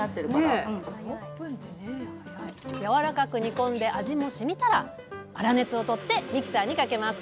やわらかく煮込んで味も染みたら粗熱を取ってミキサーにかけます